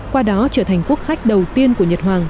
qua đó trở thành quốc khách đầu tiên của nhật hoàng